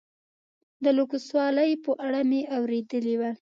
د لوکسوالي په اړه مې اورېدلي ول.